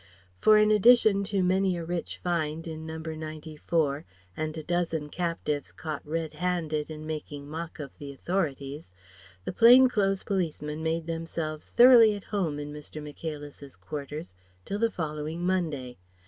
For in addition to many a rich find in No. 94 and a dozen captives caught red handed in making mock of the Authorities, the plain clothes policemen made themselves thoroughly at home in Mr. Michaelis's quarters till the following Monday.